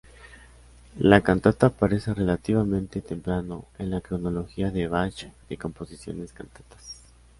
La cantata aparece relativamente temprano en la cronología de Bach de composiciones cantatas.